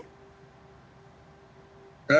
saat ini kami sudah mencari petugas medis